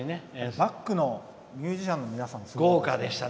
バックのミュージシャンの皆さんもすごかったですね。